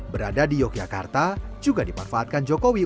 berada di yogyakarta juga dimanfaatkan jokowi